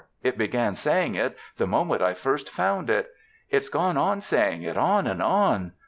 It began saying it the moment I first found it. It's gone on saying it, on and on....